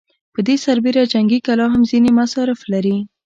پر دې سربېره جنګي کلا هم ځينې مصارف لري.